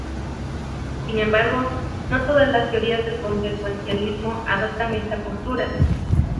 Sin embargo, no todas las teorías del consecuencialismo adoptan esta postura.